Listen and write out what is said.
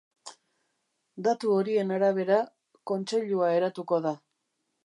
Datu horien arabera, kontseilua eratuko da.